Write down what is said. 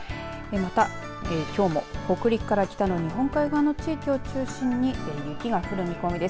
また、きょうも北陸から北の日本海側の地域を中心に雪が降る見込みです。